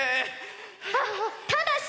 あっただし！